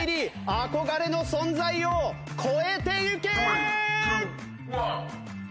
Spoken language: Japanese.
憧れの存在を超えていけ！